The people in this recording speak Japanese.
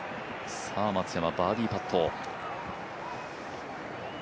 さあ松山、バーディーパット。